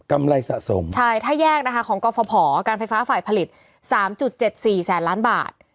ไรสะสมใช่ถ้าแยกนะคะของกรฟภการไฟฟ้าฝ่ายผลิต๓๗๔แสนล้านบาท